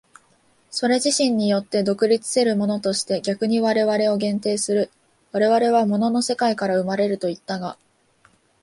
それ自身によって独立せるものとして逆に我々を限定する、我々は物の世界から生まれるといったが、